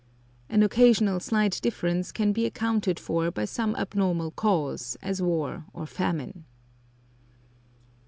An occasional slight difference can be accounted for by some abnormal cause, as war or famine.